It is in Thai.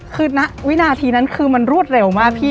คือวินาทีนั้นคือมันรวดเร็วมากพี่